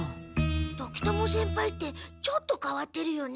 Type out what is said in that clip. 時友先輩ってちょっと変わってるよね。